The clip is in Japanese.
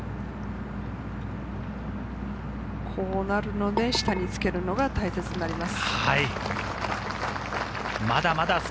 こうなるので下につけるのが大切になります。